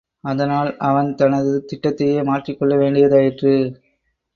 அதனால் அவன் தனது திட்டத்தையே மாற்றிக்கொள்ள வேண்டியதாயிற்று.